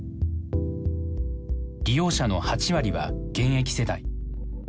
利用者の８割は現役世代。